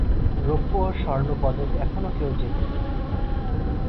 রৌপ্য ও স্বর্ণ পদক এখনও কেউ জেতে নি।